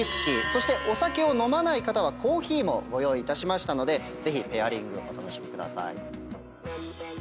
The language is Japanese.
そしてお酒を飲まない方はコーヒーもご用意いたしましたのでぜひペアリングお楽しみください。